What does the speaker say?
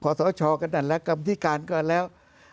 พอทัวร์ชองกันแล้วกรรมทิการแล้ว